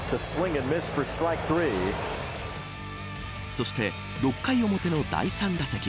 そして６回表の第３打席。